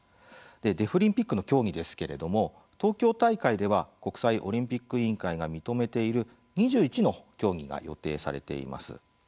デフリンピックの競技ですけれども、東京大会では国際オリンピック委員会が認めている２１の競技が予定されています。